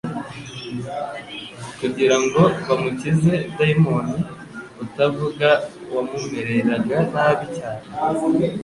kugira ngo bamukize dayimoni utavuga wamumereraga nabi cyane.